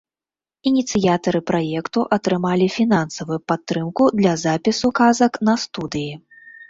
Ініцыятары праекту атрымалі фінансавую падтрымку для запісу казак на студыі.